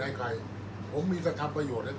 อันไหนที่มันไม่จริงแล้วอาจารย์อยากพูด